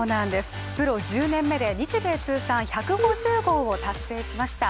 プロ１０年目で日米通算１５０号を達成しました。